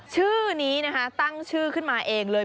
ชื่อนี้นะคะตั้งชื่อขึ้นมาเองเลย